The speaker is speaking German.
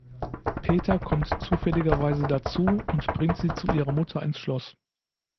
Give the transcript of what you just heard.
Peter kommt zufälligerweise dazu und bringt sie zu ihrer Mutter ins Schloss.